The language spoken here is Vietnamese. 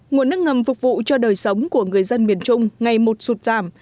nguồn nước ngầm phục vụ cho đời sống của người dân miền trung ngày một sụt giảm